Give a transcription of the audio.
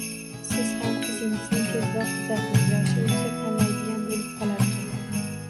Siz ham qizingizni tezroq uzating, yoshi o`tsa tanlaydigan bo`lib qolarkan